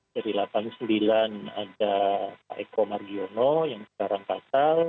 dari delapan puluh sembilan ada pak eko margiono yang sekarang fatal